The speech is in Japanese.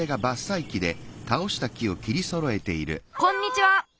こんにちは！